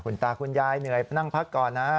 คุณตาคุณยายเหนื่อยนั่งพักก่อนนะ